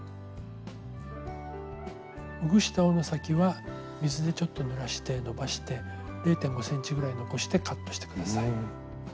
ほぐした緒の先は水でちょっとぬらしてのばして０．５ｃｍぐらい残してカットして下さい。